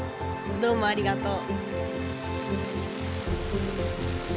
どうもありがとう。